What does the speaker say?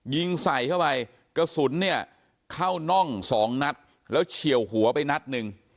ยิงใส่เข้าไปกระสุนเนี่ยเข้าน่องสองนัดแล้วเฉียวหัวไปนัดหนึ่ง